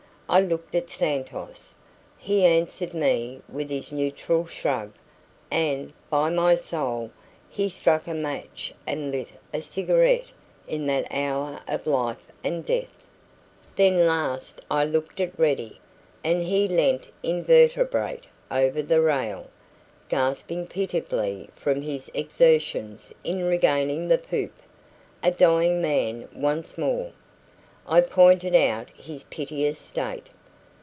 I looked at Santos. He answered me with his neutral shrug, and, by my soul, he struck a match and lit a cigarette in that hour of life and death! Then last I looked at Ready; and he leant invertebrate over the rail, gasping pitiably from his exertions in regaining the poop, a dying man once more. I pointed out his piteous state.